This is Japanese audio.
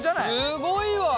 すごいわ。